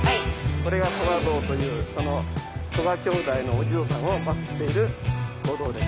これが曽我堂という曽我兄弟のお地蔵さんを祭っているお堂です。